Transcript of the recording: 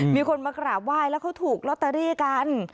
มีคนมากราบไหว้แล้วเขาถูกลอตเตอรี่กัน